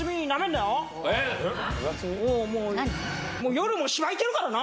夜もしばいてるからな！